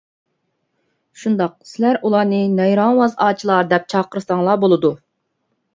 شۇنداق، سىلەر ئۇلارنى «نەيرەڭۋاز ئاچىلار» دەپ چاقىرساڭلار بولىدۇ.